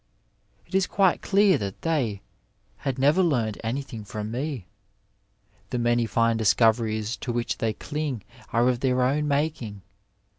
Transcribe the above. It is quite dear that they had never learned anything from me ; the many fine discoveries to which they cling are of their own making.